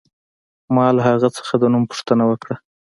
ما له هغې څخه د نوم پوښتنه وکړه